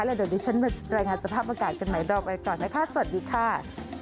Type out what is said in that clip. เดี๋ยวดิฉันมารายงานสภาพอากาศกันใหม่เราไปก่อนนะคะสวัสดีค่ะ